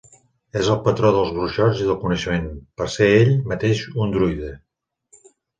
És el patró dels bruixots i del coneixement, per ser ell mateix un druida.